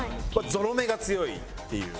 ゾロ目が強いっていう。